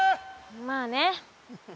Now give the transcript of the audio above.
まあね。